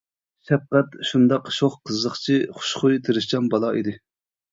شەپقەت شۇنداق شوخ، قىزىقچى، خۇشخۇي، تىرىشچان بالا ئىدى.